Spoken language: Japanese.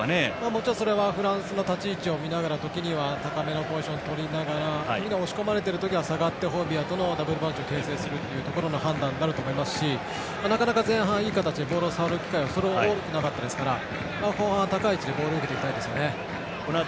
もちろん、それはフランスの立ち位置を見ながら時には高めのポジションを取りながら押し込まれている時は下がってホイビヤとのダブルボランチを形成する形になると思いますしなかなか前半いい形でボールを触る機会がそれほど多くなかったですから後半は高い位置でボールを受けたいですね。